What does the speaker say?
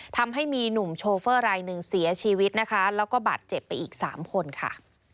ทำให้มีหนุ่มโชเฟอร์รายหนึ่งเสียชีวิตนะคะแล้วก็บาดเจ็บไปอีก๓คนค่ะ